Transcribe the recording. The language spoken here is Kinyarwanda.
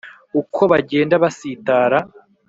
Uko bagenda basitara